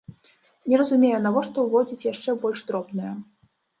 Не разумею, навошта ўводзіць яшчэ больш дробныя?